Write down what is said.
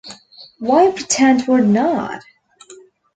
Why pretend we're not?